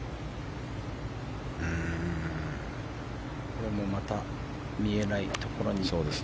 これもまた見えないところに。